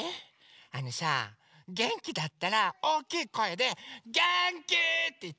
あのさげんきだったらおおきいこえで「げんき！」っていって。